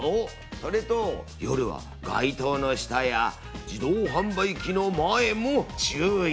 それと夜は街灯の下や自動販売機の前も注意。